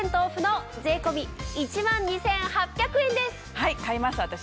はい買います私。